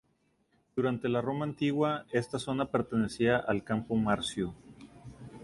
Durante la Roma antigua, esta zona pertenecía al Campo Marzio.